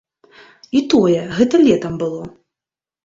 І тое, гэта летам было.